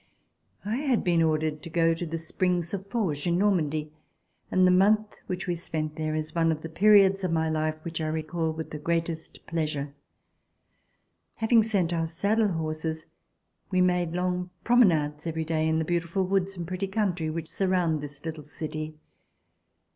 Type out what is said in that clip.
I had been ordered to go to the S])rings of Forges in Normandy, and the month which we spent there is one of the periods of my life which I recall with the greatest pleasure. Having sent our saddle horses, we made long promenades every day in the beautiful woods and pretty country which surround this little city.